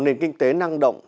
nền kinh tế năng động